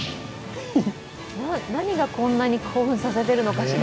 何がこんなに興奮させてるのかしら。